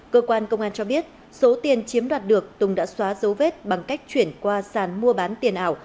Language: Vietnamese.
cơ quan công an cho biết số tiền chiếm đoạt được tùng đã xóa dấu vết bằng cách chuyển qua sàn mua bán tiền ảo